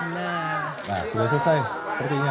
nah sudah selesai sepertinya